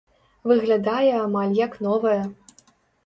Выглядае амаль як новая.